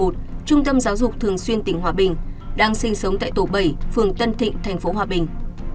trung tâm giáo dục thường xuyên tỉnh hòa bình đang sinh sống tại tổ bảy phường tân thịnh thành phố hòa bình